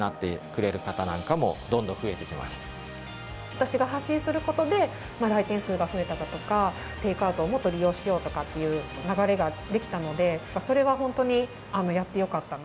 私が発信する事で来店数が増えただとかテイクアウトをもっと利用しようとかっていう流れができたのでそれはホントにやってよかったな。